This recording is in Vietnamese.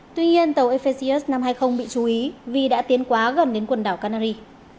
tuy nhiên tàu efes năm trăm hai mươi bị chú ý vì đã tiến quá gần đến quần đảo canary